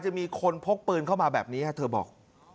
จะมีคนพกปืนเข้ามาแบบนี้เธอบอก